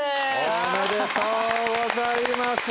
おめでとうございます！